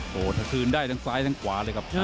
โอ้โหถ้าคืนได้ทั้งซ้ายทั้งขวาเลยครับ